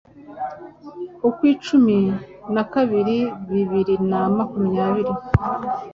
Ukw'icumi na kabiri bibiri na ma kumyabiri